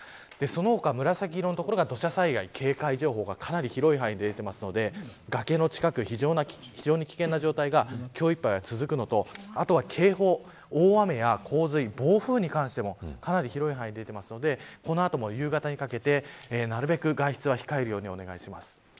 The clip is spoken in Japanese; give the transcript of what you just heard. その他、紫色の所が土砂災害警戒情報がかなり広い範囲で出ているので崖の近く、非常に危険な状態が今日いっぱいは続くのとあとは警報、大雨や洪水暴風に関してもかなり広い範囲で出ているのでこの後も夕方にかけてなるべく外出は控えるようにお願いします。